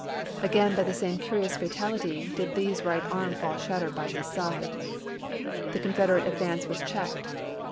Again, by the same curious fatality, did Lee's right arm fall shattered by his side. The Confederate ad vance was checked.